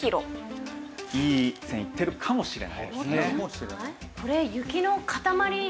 いい線いってるかもしれないですね。